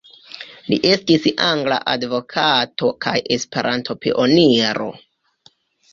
Li estis angla advokato kaj Esperanto-pioniro.